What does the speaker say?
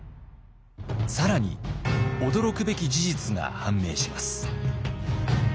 更に驚くべき事実が判明します。